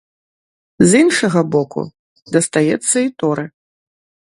З іншага боку, дастаецца і торы.